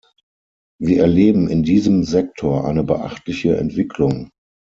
Wir erleben in diesem Sektor eine beachtliche Entwicklung.